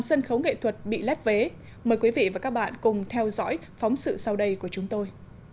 sân khấu nghệ thuật bị lép vế mời quý vị và các bạn cùng theo dõi phóng sự sau đây của chúng tôi